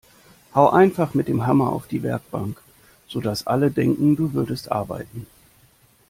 Hau einfach mit dem Hammer auf die Werkbank, sodass alle denken, du würdest arbeiten!